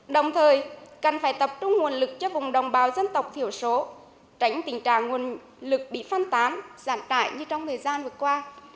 đồng thời cần phải tập trung nguồn lực cho vùng đồng bào dân tộc thiểu số tránh tình trạng nguồn lực bị phân tán giản trại như trong thời gian vừa qua